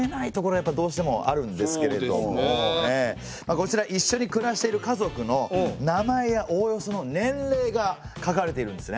こちらいっしょに暮らしてる家族の名前やおおよその年齢が書かれているんですね。